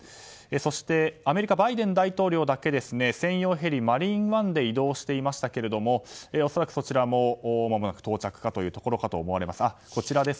そしてアメリカ、バイデン大統領だけ専用ヘリ「マリーンワン」で移動していましたけども恐らく、そちらもまもなく到着かというところかと思われます。